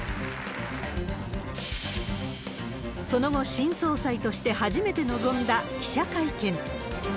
その後、新総裁として初めて臨んだ記者会見。